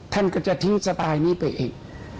ท่านก็จะทิ้งสไตล์นี้ไปอีก